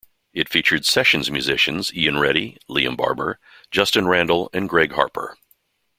It featured session musicians Iain Reddy, Liam Barber, Justin Randall and Greg Harper.